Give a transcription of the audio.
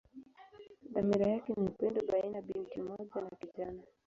Dhamira yake ni upendo baina binti mmoja na kijana.